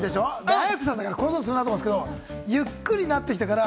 綾瀬さんなら、こんなことするなと思うんですけれども、ゆっくりになってきたから。